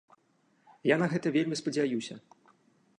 Я на гэта вельмі спадзяюся!